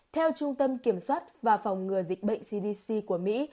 theo trung tâm kiểm soát và phòng ngừa dịch bệnh cdc của mỹ